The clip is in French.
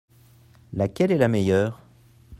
Laquelle est la meilleure ?